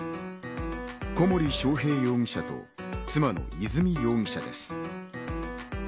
小森章平容疑者と妻の和美容疑者です。